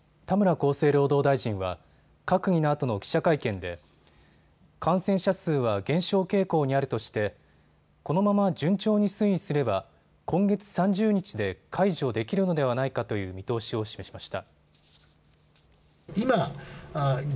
厚生労働大臣は閣議のあとの記者会見で感染者数は減少傾向にあるとしてこのまま順調に推移すれば今月３０日で解除できるのではないかという見通しを示しました。